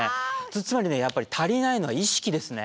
つまりねやっぱり足りないのは意識ですね。